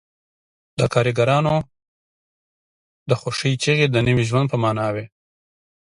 د کارګرانو د خوښۍ چیغې د نوي ژوند په مانا وې